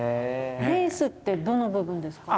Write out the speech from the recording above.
レースってどの部分ですか？